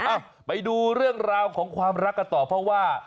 อ่ะไปดูเรื่องราวของความรักกันต่อเพราะว่า